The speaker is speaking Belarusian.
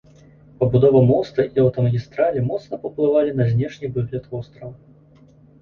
Пабудова моста і аўтамагістралі моцна паўплывалі на знешні выгляд вострава.